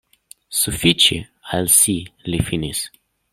Sufiĉi al si, li finis.